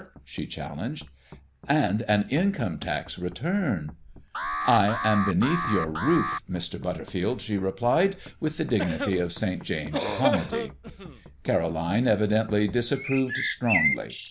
she challenged. " and an income tax return " "I am beneath your roof, Mr. Butterfield," she replied, with the dignity of St. James's comedy. Caroline evidently disapproved strongly.